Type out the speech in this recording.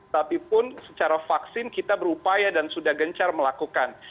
tapi pun secara vaksin kita berupaya dan sudah gencar melakukan